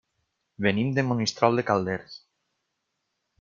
Venim de Monistrol de Calders.